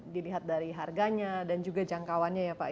dilihat dari harganya dan juga jangkauannya ya pak